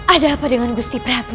ada apa dengan gusti prabu